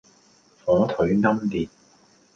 火腿奄列